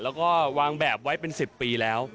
แล้วก็วางแบบไว้เป็น๑๐ปีแล้ว